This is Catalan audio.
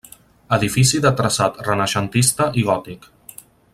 Edifici de traçat renaixentista i gòtic.